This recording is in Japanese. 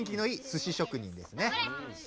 すし職人ですね。